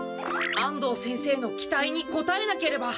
安藤先生の期待にこたえなければ。